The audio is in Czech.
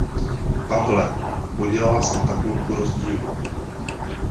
Pavle, udělal jsem tabulku rozdílů.